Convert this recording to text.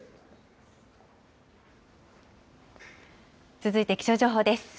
続いて気象情報です。